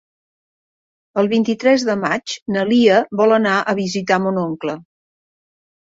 El vint-i-tres de maig na Lia vol anar a visitar mon oncle.